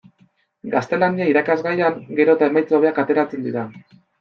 Gaztelania irakasgaian gero eta emaitza hobeak ateratzen dira.